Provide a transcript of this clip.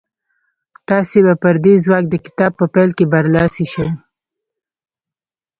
تاسې به پر دې ځواک د کتاب په پيل کې برلاسي شئ.